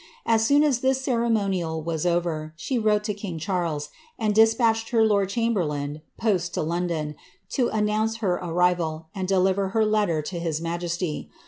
As soon as this eeremonial was over, she wrote to king Charles, and despatched her lofd chamberlain post to London, to announce her arrival, and deliver her letter to his majesty.